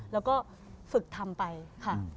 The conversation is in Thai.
เราก็ฝึกทำไปค่ะ